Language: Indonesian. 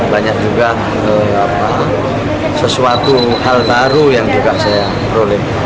banyak juga sesuatu hal baru yang juga saya peroleh